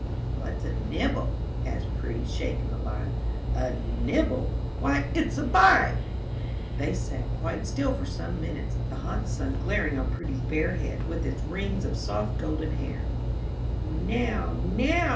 "What's a nibble?" asked Prudy, shaking the line. "A nibble? Why, it's a bite." They sat quite still for some minutes, the hot sun glaring on Prudy's bare head with its rings of soft golden hair. "Now, now!"